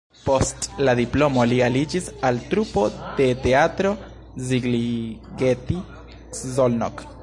Post la diplomo li aliĝis al trupo de Teatro Szigligeti (Szolnok).